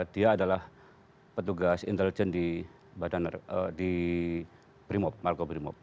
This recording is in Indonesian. dia adalah petugas intelijen di makobrimob